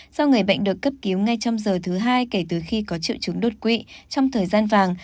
do người bệnh được cấp cứu ngay trong giờ thứ hai kể từ khi có triệu chứng đột quỵ trong thời gian vàng